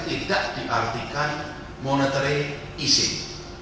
tidak diartikan monetary easyc